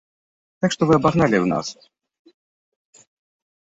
Так што вы абагналі нас.